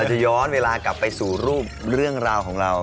ระยะตลอดเวลากลับไปสู่รูปเรื่องเหล่าของเรา